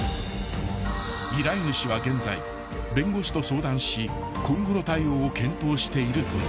［依頼主は現在弁護士と相談し今後の対応を検討しているという］